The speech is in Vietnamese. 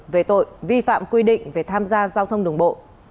về tội vi phạm quy định về tham gia giao thông đường bộ